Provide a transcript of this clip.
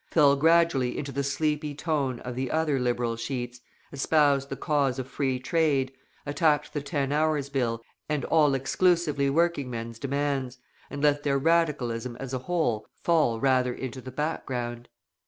fell gradually into the sleepy tone of the other Liberal sheets, espoused the cause of Free Trade, attacked the Ten Hours' Bill and all exclusively working men's demands, and let their Radicalism as a whole fall rather into the background.